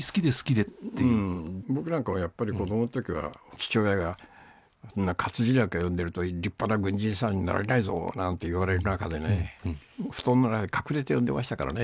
僕なんかはやっぱり、子どものときは、父親が、そんな活字なんか読んでると立派な軍人さんになれないぞなんて言われる中でね、布団の中で隠れて読んでいましたからね。